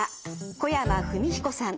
小山文彦さん。